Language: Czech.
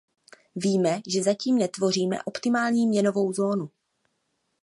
Víme, že zatím netvoříme optimální měnovou zónu.